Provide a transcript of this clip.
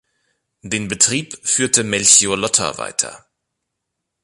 Den Betrieb führte Melchior Lotter weiter.